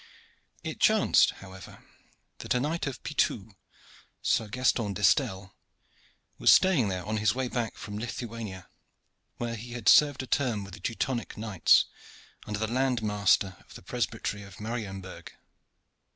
It chanced, however, that a knight of Poitou, Sir Gaston d'Estelle, was staying there on his way back from Lithuania, where he had served a term with the Teutonic knights under the land master of the presbytery of Marienberg.